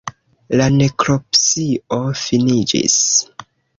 La nekropsio finiĝis.